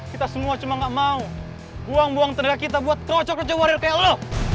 kita semua cuma gak mau buang buang tenaga kita buat trocok trocok warrior kayak lo